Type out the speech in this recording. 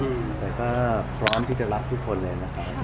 อืมแต่ก็พร้อมที่จะรับทุกคนเลยนะครับ